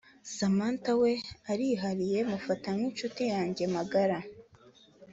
Samanatha we arihariye mufata nk’inshuti yanjye magara”